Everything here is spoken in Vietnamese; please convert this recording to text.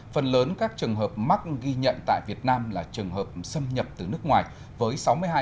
phần lớn các trường hợp mắc ghi nhận tại việt nam là trường hợp xâm nhập từ nước ngoài với sáu mươi hai